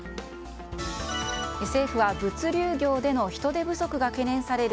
政府は物流業での人手不足が懸念される